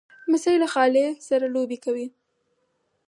لمسی له خالې سره لوبې کوي.